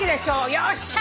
よっしゃー！